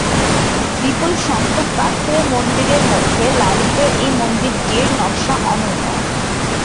বিপুল সংখ্যক পাথুরে মন্দিরের মধ্যে লাল ইটের এই মন্দিরটির নকশা অনন্য।